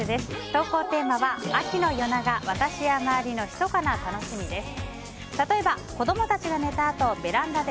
投稿テーマは、秋の夜長私や周りのひそかな楽しみです。